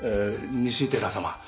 西寺様